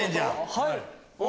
はい！